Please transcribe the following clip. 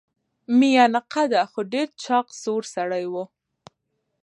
میانه قده خو ډیر چاغ سور سړی و.